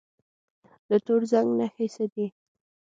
د تور زنګ نښې څه دي؟